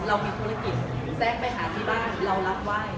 เรามีธุรกิจแซคไปหาที่บ้านเรารับไหว้